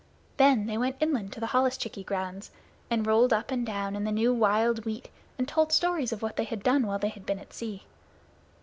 Then they went inland to the holluschickie grounds and rolled up and down in the new wild wheat and told stories of what they had done while they had been at sea.